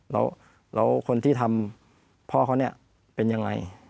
แล้วคนที่ทำพ่อเขาเนี่ยเป็นยังไง